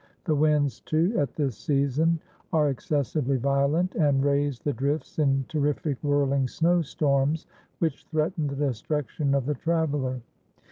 The winds, too, at this season are excessively violent, and raise the drifts in terrific whirling snow storms, which threaten the destruction of the traveller.